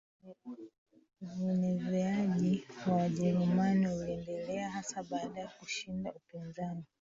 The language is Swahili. Uenezeaji wa Wajerumani uliendelea hasa baada ya kushinda upinzani